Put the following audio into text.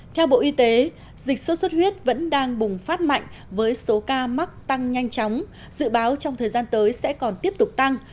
theo bộ y tế dịch sốt xuất huyết vẫn đang bùng phát mạnh với số ca mắc tăng nhanh chóng dự báo trong thời gian tới sẽ còn tiếp tục tăng